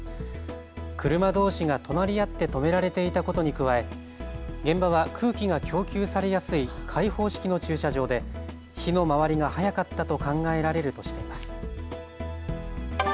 車どうしが隣り合って止められていたことに加え、現場は空気が供給されやすい開放式の駐車場で火の回りが早かったと考えられるとしています。